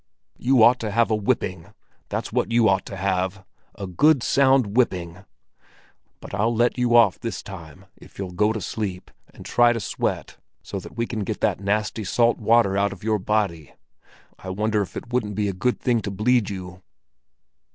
You ought to have a whipping, that's what you ought to have—a good sound whipping! But I'll let you off this time if you'll go to sleep and try to sweat so that we can get that nasty salt water out of your body. I wonder if it wouldn't be a good thing to bleed you."